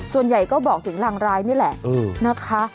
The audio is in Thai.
ส่วนใหญ่ก็บอกถึงรางร้ายนี่แหละนะคะ